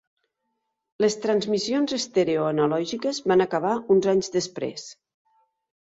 Les transmissions estèreo analògiques van acabar uns anys després.